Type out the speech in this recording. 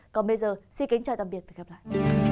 còn bây giờ xin kính chào tạm biệt và hẹn gặp lại